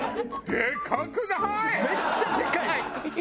めっちゃでかいよ！